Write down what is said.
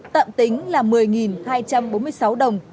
tạm tính là một mươi hai trăm bốn mươi sáu đồng